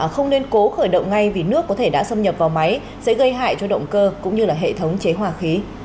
không nên cố khởi động ngay vì nước có thể đã xâm nhập vào máy sẽ gây hại cho động cơ cũng như hệ thống chế hòa khí